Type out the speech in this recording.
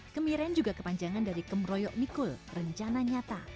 kemiren juga kepanjangan dari kemeroyok mikul rencana nyata